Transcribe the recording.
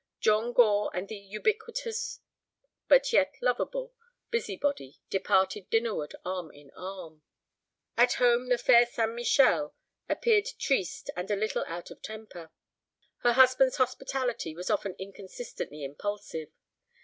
John Gore and the ubiquitous, but yet lovable, busybody departed dinnerward arm in arm. At home the fair St. Michel appeared triste and a little out of temper. Her husband's hospitality was often inconsistently impulsive.